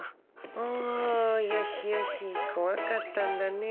おお、よしよし、怖かったんだね。